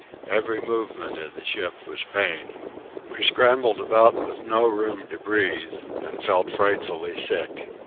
Every movement of the ship was pain. We scrambled about with no room to breathe, and felt frightfully sick.